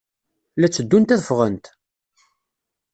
La tteddunt ad ffɣent?